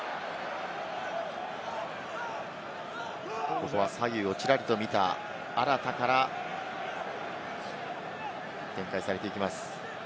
ここは左右をチラリと見たアラタから展開されていきます。